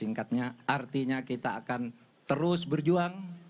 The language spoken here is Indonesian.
singkatnya artinya kita akan terus berjuang